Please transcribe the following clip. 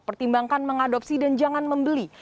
pertimbangkan mengadopsi dan jangan membeli